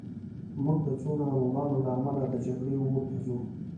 موږ د څو ناروغانو له امله د جګړې اور ته ځو